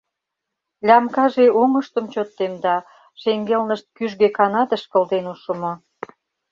Лямкаже оҥыштым чот темда, шеҥгелнышт кӱжгӧ канатыш кылден ушымо.